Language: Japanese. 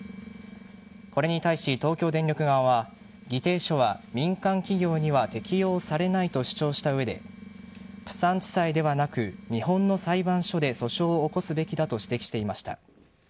これに対し、東京電力側は議定書は民間企業には適用されないと主張した上で釜山地裁ではなく日本の裁判所で訴訟を起こすべきだと指摘していました。